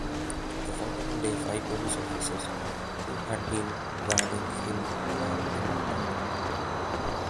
The following day, five police officers who had been guarding him were demoted.